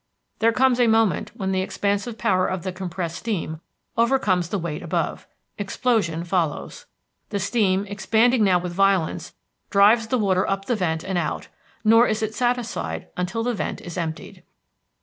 There comes a moment when the expansive power of the compressed steam overcomes the weight above. Explosion follows. The steam, expanding now with violence, drives the water up the vent and out; nor is it satisfied until the vent is emptied.